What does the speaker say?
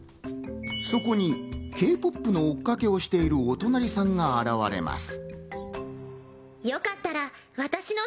そこにＫ−ＰＯＰの追っかけをしているおとなりさんが現れます。